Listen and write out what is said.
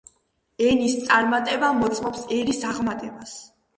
ენის წარმატება მოწმობს ერის აღმატებას.